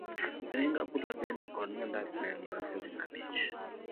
Ring abula bende koda mandas ne en mana siling' abich.